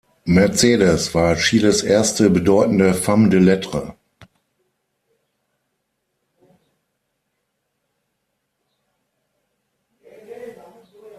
Mercedes war Chiles erste bedeutende Femme de lettres.